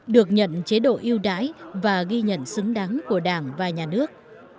được nhận chế độ yêu đái và ghi nhận xứng đáng của đảng và nhà nước